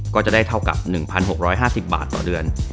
ก็จะได้เท่ากับ๑๖๕๐บาทต่อเดือน